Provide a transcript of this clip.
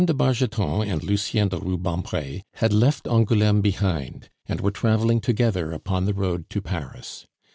de Bargeton and Lucien de Rubempre had left Angouleme behind, and were traveling together upon the road to Paris.